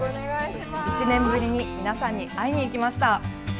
１年ぶりに皆さんに会いに行きました。